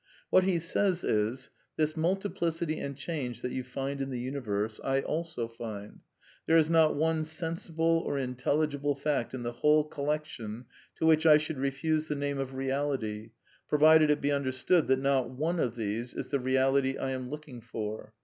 What he says is: This multiplicity and change that \ you find in the universe I also find. There is not one 1 sensible or intelligible fact in the whole collection to ^ which I should refuse the name of reality^ provided it be understood that not one of these is the Beality I am look ing for.